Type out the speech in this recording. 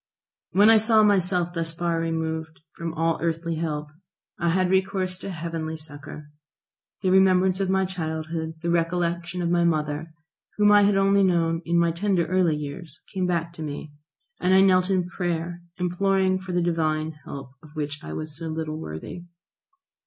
When I saw myself thus far removed from all earthly help I had recourse to heavenly succour. The remembrance of my childhood, the recollection of my mother, whom I had only known in my tender early years, came back to me, and I knelt in prayer imploring for the Divine help of which I was so little worthy.